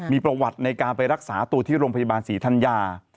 มีประวัติในการไปรักษาตัวที่โรงพยาบาลศรีธัญญา